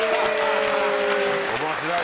面白い！